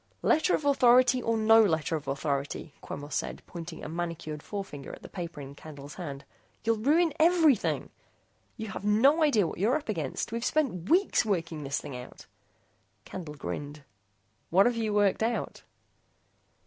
"Letter of authority or no letter of authority," Quemos said, pointing a manicured forefinger at the paper in Candle's hand, "you'll ruin everything! You have no idea what you're up against. We've spent weeks working this thing out " Candle grinned. "What've you worked out?"